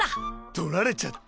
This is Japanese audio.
盗られちゃった。